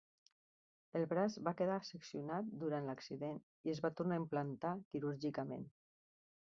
El braç va quedar seccionat durant l'accident i es va tornar a implantar quirúrgicament.